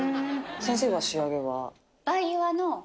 先生は仕上げは？